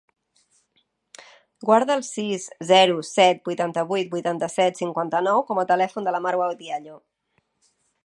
Guarda el sis, zero, set, vuitanta-vuit, vuitanta-set, cinquanta-nou com a telèfon de la Marwa Diallo.